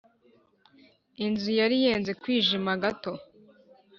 inzu yari yenze kwijima gato